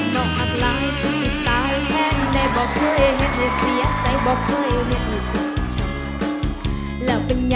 สวัสดีครับ